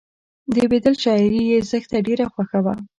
د بیدل شاعري یې زښته ډېره خوښه وه